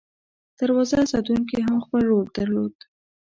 دروازه ساتونکي هم خپل رول درلود.